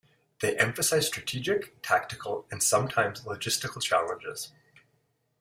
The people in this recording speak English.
They emphasize strategic, tactical, and sometimes logistical challenges.